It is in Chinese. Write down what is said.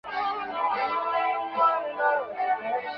他也代表白俄罗斯国家足球队参赛。